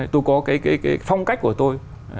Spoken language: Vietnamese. tôi có cái phong cách của tôi